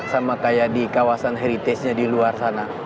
sama kayak di kawasan heritage nya di luar sana